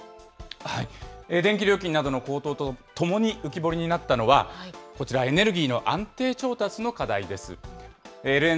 電気料金などの高騰とともに浮き彫りになったのは、こちら、エネルギーの安定調達の課題です。